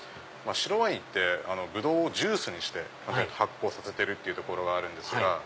白ワインってブドウをジュースにして発酵させてるっていうところがあるんですが。